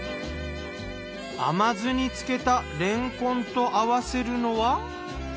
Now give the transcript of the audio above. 甘酢につけたれんこんと合わせるのは。